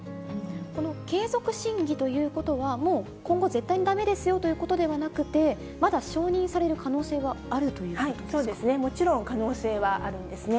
この継続審議ということは、今後絶対にだめですよということではなくて、まだ承認される可能そうですね、もちろん可能性はあるんですね。